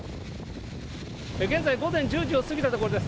現在、午前１０時を過ぎたところです。